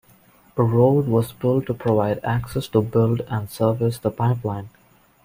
A road was built to provide access to build and service the pipeline.